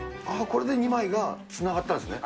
これで２枚がつながったんですね。